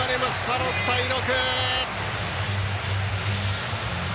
６対６！